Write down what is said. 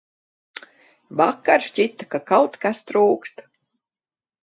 Vakar šķita, ka kaut kas trūkst.